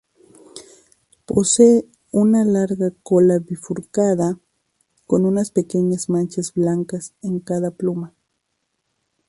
Posee una larga cola bifurcada, con unas pequeñas manchas blancas en cada pluma.